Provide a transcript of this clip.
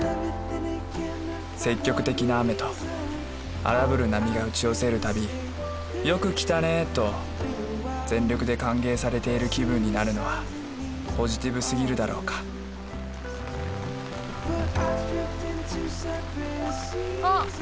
積極的な雨と荒ぶる波が打ち寄せるたび「よく来たねー！」と全力で歓迎されている気分になるのはポジティブすぎるだろうかあっ！